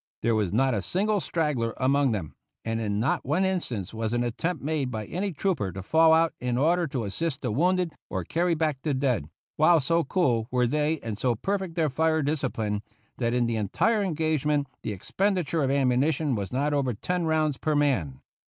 There was not a single straggler among them, and in not one instance was an attempt made by any trooper to fall out in order to assist the wounded or carry back the dead, while so cool were they and so perfect their fire discipline, that in the entire engagement the expenditure of ammunition was not over ten rounds per man.